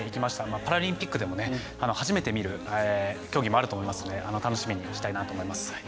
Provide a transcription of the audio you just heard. パラリンピックでも初めて見る競技もあると思うので楽しみにしたいなと思います。